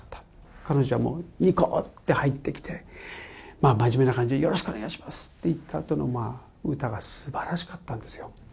彼女はにこって入ってきて、真面目な感じで、よろしくお願いしますって言ったあとの、歌がすばらしかったんですよ。